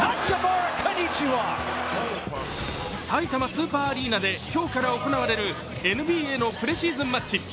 埼玉スーパーアリーナで今日から行われるＮＢＡのプレシーズンマッチ。